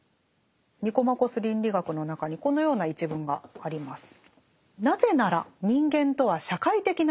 「ニコマコス倫理学」の中にこのような一文があります。